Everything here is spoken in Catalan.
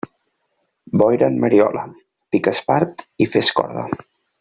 Boira en Mariola, pica espart i fes corda.